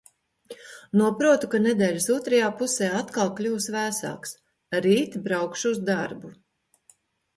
Noprotu, ka nedēļas otrajā pusē atkal kļūs vēsāks. Rīt braukšu uz darbu.